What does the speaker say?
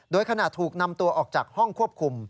โดยขณะถูกนำตัวออกจากห้องควบคุม